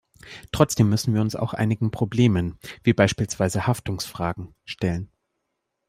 Trotzdem müssen wir uns auch einigen Problemen — wie beispielsweise Haftungsfragen — stellen.